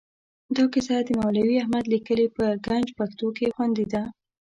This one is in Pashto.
دا کیسه د مولوي احمد لیکلې په ګنج پښتو کې خوندي ده.